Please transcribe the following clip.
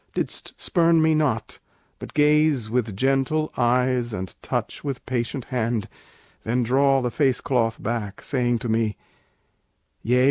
didst spurn me not, but gaze With gentle eyes and touch with patient hand; Then draw the face cloth back, saying to me, 'Yea!